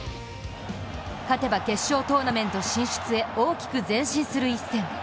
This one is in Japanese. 勝てば決勝トーナメント進出へ大きく前進する一戦。